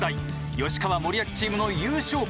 吉川・森脇チームの優勝か？